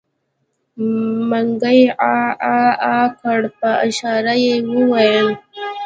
منګلي عاعاعا کړ په اشاره يې وويل.